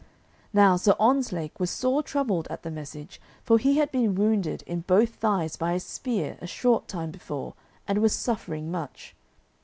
Now Sir Ontzlake was sore troubled at the message, for he had been wounded in both thighs by a spear a short time before, and was suffering much.